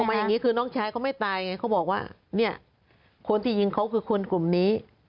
มาอย่างนี้คือน้องชายเขาไม่ตายไงเขาบอกว่าเนี่ยคนที่ยิงเขาคือคนกลุ่มนี้